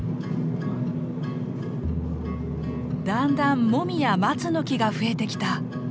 だんだんモミやマツの木が増えてきた。